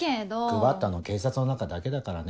配ったの警察の中だけだからね。